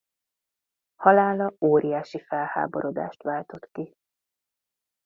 Halála óriási felháborodást váltott ki.